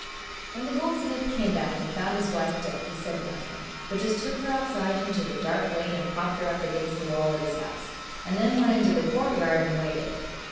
When the goldsmith came back and found his wife dead he said nothing, but just took her outside into the dark lane and propped her up against the wall of his house, and then went into the courtyard and waited.